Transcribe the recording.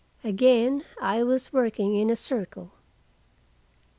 Again I was working in a circle.